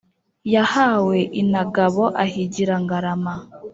yahawe inagabo ahigira ngarama.